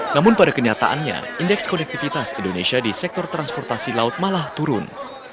namun pada kenyataannya indeks konektivitas indonesia di sektor transportasi laut malah turun